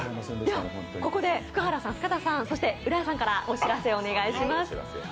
ここで福原さん、深田さん、そして浦井さんからお知らせをお願いします。